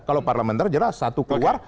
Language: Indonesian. kalau parlementer jelas satu keluar